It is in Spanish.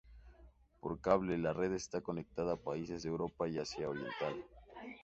Por cable, la red está conectada a países de Europa y Asia oriental.